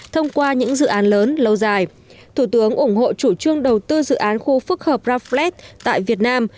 thông qua những dự án lớn lâu dài thủ tướng ủng hộ chủ trương đầu tư dự án khu phức hợp raflad tại việt nam